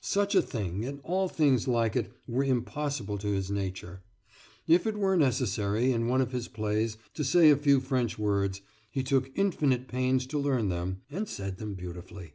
Such a thing, and all things like it, were impossible to his nature. If it were necessary, in one of his plays, to say a few French words, he took infinite pains to learn them, and said them beautifully.